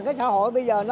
cái xã hội bây giờ nó sẽ có